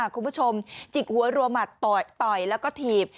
คุณผู้ชมจิกหัวรัวหมัดต่อยแล้วก็ถีบ